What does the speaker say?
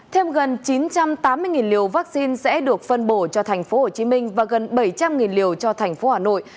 thêm gần chín trăm tám mươi liều vaccine sẽ được phân bổ cho thành phố hồ chí minh và gần bảy trăm linh liều cho thành phố hà nội